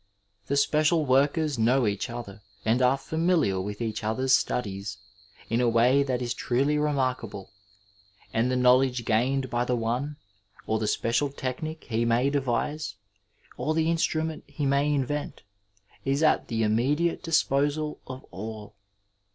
The special workers know each other and are fami liar with each other's studies in a way that is truly remark able. And the knowledge gained by the one, or the special technic he may devise, or the instrument he may invent is at the inomiediate disposal of all.